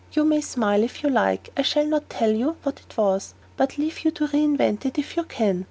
You may smile, if you like; I shall not tell you what it was, but leave you to re invent it, if you can.